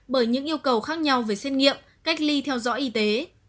bởi những yêu cầu khác nhau về xét nghiệm cách ly theo dõi y tế